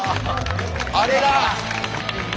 あれだ！